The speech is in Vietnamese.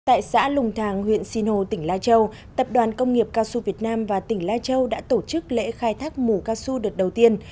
tại xã lùng thàng huyện sinh hồ tỉnh lai châu tập đoàn công nghiệp cao su việt nam và tỉnh lai châu đã tổ chức lễ khai thác mù cao su đợt đầu tiên